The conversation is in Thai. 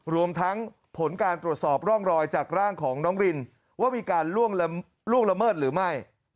รวมทั้งผลการตรวจสอบร่องรอยจากร่างของน้องรินว่ามีการล่วงละเมิดหรือไม่